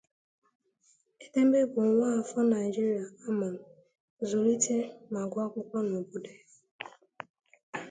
Edeme bụ nwaafọ Naịjirịa amụrụ, zụlite ma gụọ akwụkwọ na obodo ya.